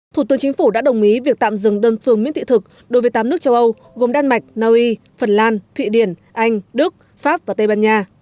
thủ tướng chính phủ đã đồng ý việc tạm dừng đơn phương miễn thị thực đối với tám nước châu âu gồm đan mạch naui phần lan thụy điển anh đức pháp và tây ban nha